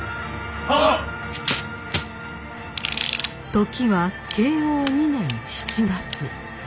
時は慶応２年７月。